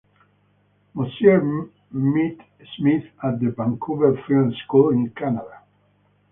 Mosier met Smith at the Vancouver Film School in Canada.